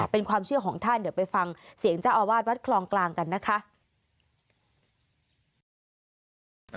เป็นความเชื่อของท่านเดี๋ยวไปฟังเสียงเจ้าอาวาสวัดคลองกลางกันนะคะ